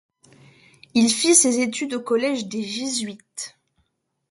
Il fit ses études au collège des Jésuites.